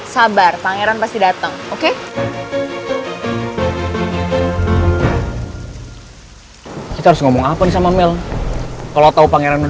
sabar pangeran pasti dateng